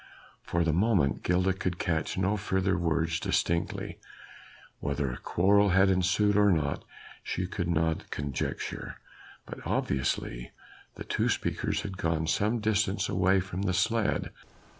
For the moment Gilda could catch no further words distinctly: whether a quarrel had ensued or not she could not conjecture, but obviously the two speakers had gone some little distance away from the sledge.